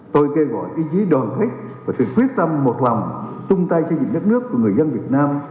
tôi kêu gọi ý chí đoàn thích và sự quyết tâm một lòng chung tay xây dựng đất nước của người dân việt nam